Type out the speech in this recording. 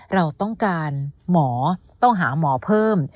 เราต้องการหมอต้องหาหมอเพิ่ม